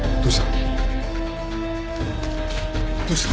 どうした。